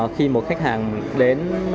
khi một khách hàng đến